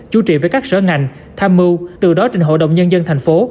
chú trị với các sở ngành tham mưu từ đó trình hội đồng nhân dân thành phố